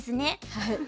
はい。